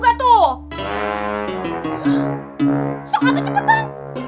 sokak tuh cepetan